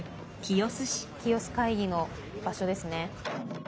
清洲会議の場所ですね。